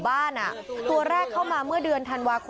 อ้าว